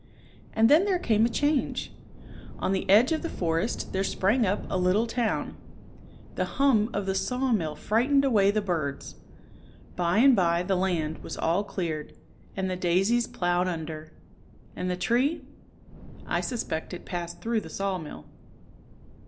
And then there came a change. On the edge of the forest there sprang up a little town. The hum of the sawmill frightened away the birds. By and by the land was all cleared and the daisies ploughed under. And the tree.^^ I suspect it passed through the sawmill.